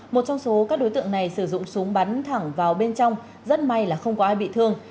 một trong số các đối tượng này sử dụng súng bắn thẳng vào bên trong rất may là không có ai bị thương